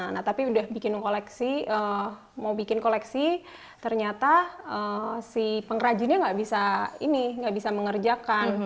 nah tapi udah bikin koleksi mau bikin koleksi ternyata si pengrajinnya nggak bisa ini nggak bisa mengerjakan